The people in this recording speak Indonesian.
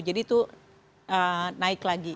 jadi itu naik lagi